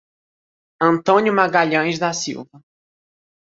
Antônio Magalhaes da Silva